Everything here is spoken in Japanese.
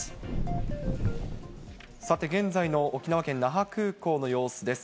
さて、現在の沖縄県那覇空港の様子です。